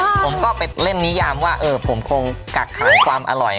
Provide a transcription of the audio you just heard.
ผมก็ไปเล่นนิยามว่าเออผมคงกักขังความอร่อย